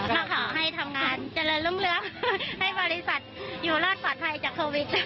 มาขอให้ทำงานเจริญร่วมให้บริษัทอยู่รอดปลอดภัยจากโควิด